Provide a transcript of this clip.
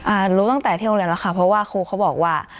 รู้ตั้งแต่ที่โรงเรียนแล้วค่ะเพราะว่าครูเขาบอกว่า